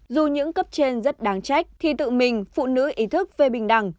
dù những cấp trên rất đáng trách thì tự mình phụ nữ ý thức về bình đẳng